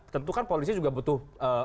tentukan polisi juga butuh